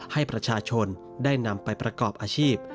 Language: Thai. ให้ประชาชนได้นำไปประกอบอาชีพ